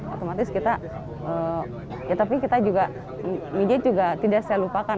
otomatis kita ya tapi kita juga media juga tidak saya lupakan